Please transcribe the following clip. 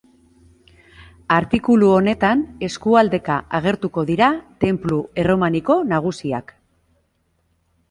Artikulu honetan eskualdeka agertuko dira tenplu erromaniko nagusiak.